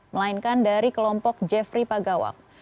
melainkan dari kelompok jeffrey pagawang